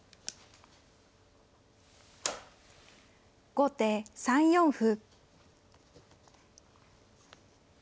後手３四歩。